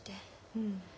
うん。